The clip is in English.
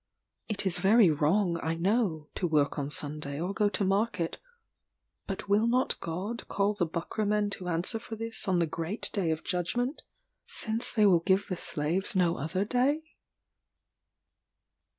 It is very wrong, I know, to work on Sunday or go to market; but will not God call the Buckra men to answer for this on the great day of judgment since they will give the slaves no other day?